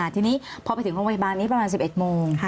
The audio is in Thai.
ทีนี้พอไปถึงโรงพยาบาลนี้ประมาณ๑๑โมง